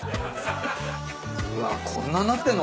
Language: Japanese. うわこんななってんの？